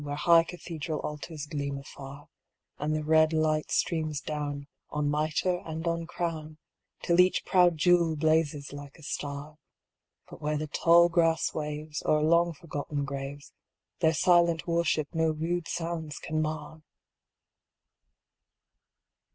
Where high cathedral altars gleam afar ; And the red light streams down On mitre and on crown. 458 IN MARBLE PRAYER Till each proud jewel blazes like a star ; But where the tall grass waves O'er long forgotten graves, Their silent worship no rude sounds can mar